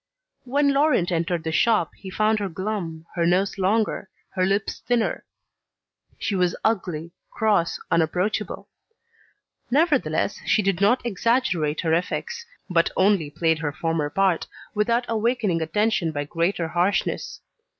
When Laurent entered the shop, he found her glum, her nose longer, her lips thinner. She was ugly, cross, unapproachable. Nevertheless, she did not exaggerate her effects, but only played her former part, without awakening attention by greater harshness.